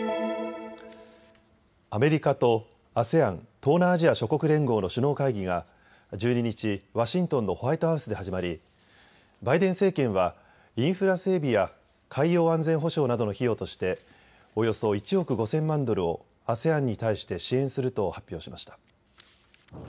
アメリカとＡＳＥＡＮ・東南アジア諸国連合の首脳会議が１２日、ワシントンのホワイトハウスで始まりバイデン政権はインフラ整備や海洋安全保障などの費用としておよそ１億５０００万ドルをＡＳＥＡＮに対して支援すると発表しました。